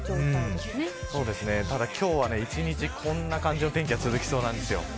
ただ今日は一日こんな感じの天気が続きそうなんですよ。